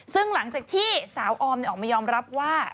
ซึ่งหลังจากที่สาวออมออกมายอมรับว่า